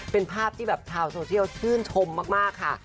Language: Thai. เป็นภาพที่แบบชาวโซเชียลชื่นชมมากค่ะ